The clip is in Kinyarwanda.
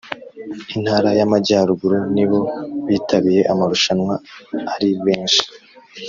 Intara y’ amajyaruguru nibo bitabiye amarushanwa ari benshi